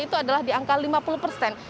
itu adalah di angka lima puluh persen